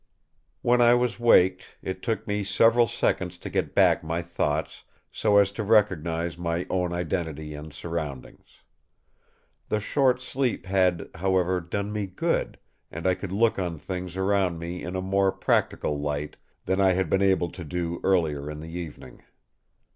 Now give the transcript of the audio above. When I was waked, it took me several seconds to get back my thoughts so as to recognise my own identity and surroundings. The short sleep had, however, done me good, and I could look on things around me in a more practical light than I had been able to do earlier in the evening.